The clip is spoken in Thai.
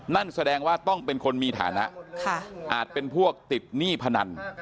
นั่นแสดงว่าต้องเป็นคนมีฐานะอาจเป็นพวกติดหนี้พนัน